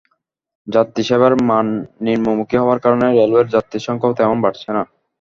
যাত্রীসেবার মান নিম্নমুখী হওয়ার কারণে রেলওয়ের যাত্রীর সংখ্যাও তেমন বাড়ছে না।